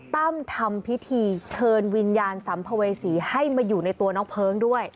ตั้มทำพิธีเชิญวิญญาณสัมภเวษีให้มาอยู่ในตัวน้องเพลิงด้วย